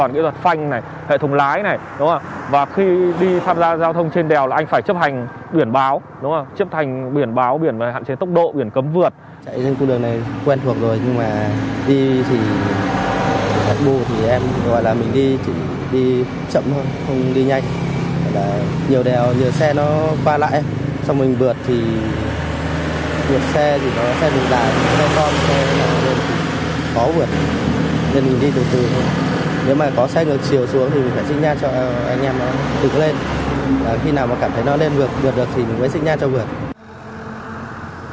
khi nào mà cảm thấy nó lên vượt được thì mình mới xích nha cho vượt